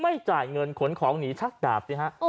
ไม่จ่ายเงินคนของหนีชะดับ